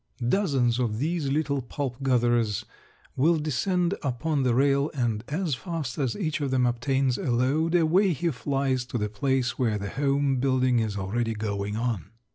Dozens of these little pulp gatherers will descend upon the rail, and as fast as each of them obtains a load away he flies to the place where the home building is already going on.